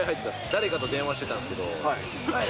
誰かと電話してたんですけど。